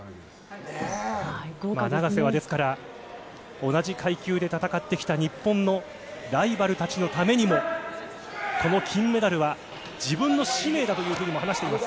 永瀬はですから、同じ階級で戦ってきた日本のライバルたちのためにも、この金メダルは自分の使命だというふうにも話しています。